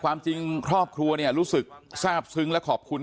ความจริงครอบครัวเนี่ยรู้สึกทราบซึ้งและขอบคุณ